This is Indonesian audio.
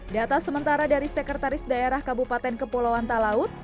data sementara dari sekretaris daerah kabupaten kepulauan talaut